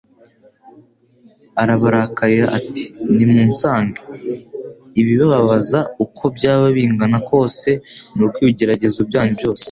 Arabararika ati: «Nimunsange.» Ibibababaza uko byaba bingana kose n'uko ibigeragezo byanyu byose